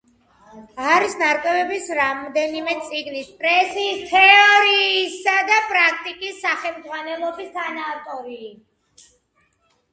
არის ნარკვევების, რამდენიმე წიგნის, „პრესის თეორიისა და პრაქტიკის“ სახელმძღვანელოს თანაავტორი.